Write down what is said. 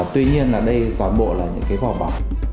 tuy nhiên là đây toàn bộ là những cái vỏ bọ